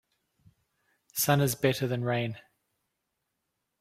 Sun is better than rain.